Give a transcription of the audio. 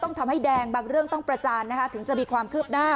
ทำให้แดงบางเรื่องต้องประจานนะคะถึงจะมีความคืบหน้า